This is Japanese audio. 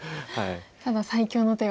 ただ最強の手を。